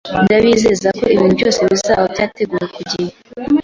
Ndabizeza ko ibintu byose bizaba byiteguye ku gihe.